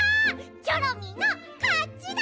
チョロミーのかちだ！